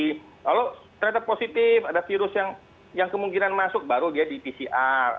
kalau ternyata positif ada virus yang kemungkinan masuk baru dia di pcr